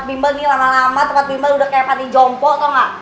ini lama lama tempat bimbel udah kayak panti jompo tau gak